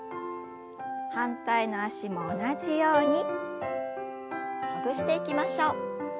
反対の脚も同じようにほぐしていきましょう。